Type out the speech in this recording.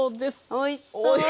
おいしそうです！